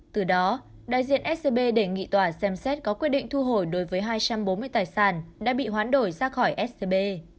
từ đó đại diện scb đề nghị tòa xem xét có quyết định thu hồi đối với hai trăm bốn mươi tài sản đã bị hoán đổi ra khỏi scb